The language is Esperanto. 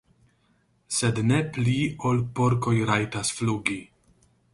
sed ne pli ol porkoj rajtas flugi.